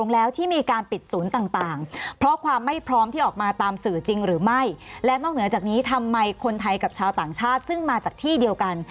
และนอกเหนือจากนี้ทำไมคนไทยกับชาวต่างชาติซึ่งมาจากที่เดียวกัน